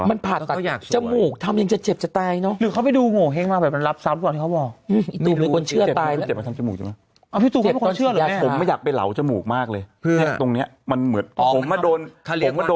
เออจิ๋นฉีดเอาไปบินอยู่แหละก็คงว่างไงเขา